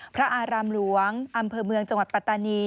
พระอารามหลวงอำเภอเมืองจังหวัดปัตตานี